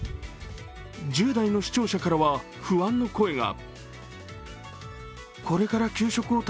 １０代の視聴者からは不安の声が。